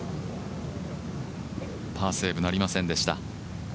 パーセーブなりませんでした。